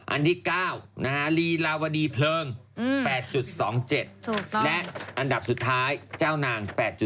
อันที่๙ลีลาวดีเพลิง๘๒๗และอันดับสุดท้ายเจ้านาง๘๐